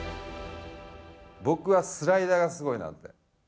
僕はスライダーがすごいなって。